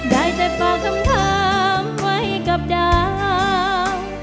ได้แต่ฝากคำถามไว้กับดาว